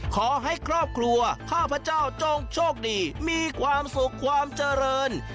ขอให้ครอบครัวข้าพเจ้าจงโชคดีมีความสุขความเจริญ